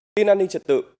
xin an ninh trật tự